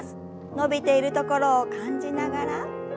伸びているところを感じながら。